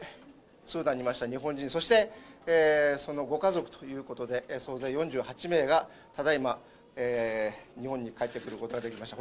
スーダンにいました日本人、そしてそのご家族ということで、総勢４８名がただいま日本に帰ってくることができました。